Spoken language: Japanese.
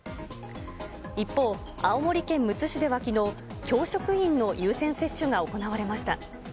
一方、青森県むつ市ではきのう、教職員の優先接種が行われました。